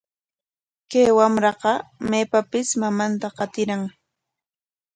Kay wamraqa maypapis mamanta qatiran.